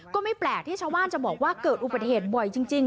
ก็ไม่แปลกที่ชาวบ้านจะบอกว่าเกิดอุบัติเหตุบ่อยจริง